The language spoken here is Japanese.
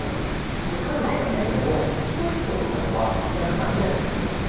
環奈ちゃんも俺もテストとかでは何か間違えたりするんですよ